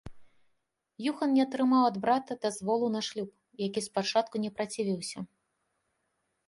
Юхан не атрымаў ад брата дазволу на шлюб, які спачатку не працівіўся.